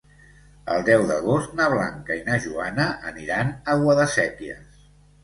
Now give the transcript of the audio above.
El deu d'agost na Blanca i na Joana aniran a Guadasséquies.